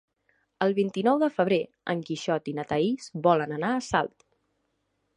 El vint-i-nou de febrer en Quixot i na Thaís volen anar a Salt.